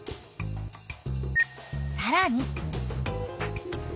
さらに。